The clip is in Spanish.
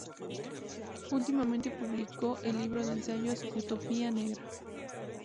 Últimamente publicó el libro de ensayos "Utopía negra.